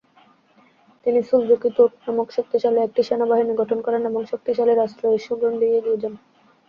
তিনি ‘’সুলজুকি তুর্ক’’ নামক শক্তিশালী একটি সেনাবাহিনী গঠন করেন এবং ‘’শক্তিশালী রাষ্ট্র’’ এই শ্লোগান দিয়ে এগিয়ে যান।